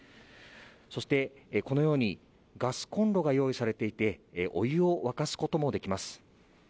そして、このようにガスこんろが用意されていてお湯を沸かすこともできます。